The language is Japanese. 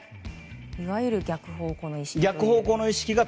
いわゆる逆方向の意識が。